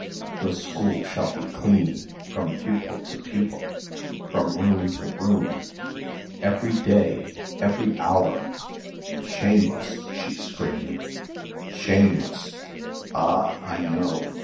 The school shall be clean ... from pupil to pupil ... from room to room.... Every day ... every hour.... Shameless!" she screamed. "Shameless. Ah! I know.